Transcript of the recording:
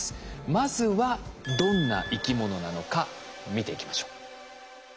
まずはどんな生き物なのか見ていきましょう。